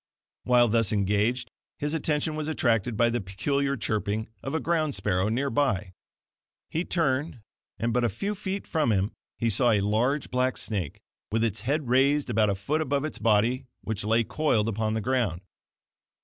While thus engaged, his attention was attracted by the peculiar chirping of a ground sparrow near by. He turned, and but a few feet from him he saw a large black snake, with its head raised about a foot above its body, which lay coiled upon the ground.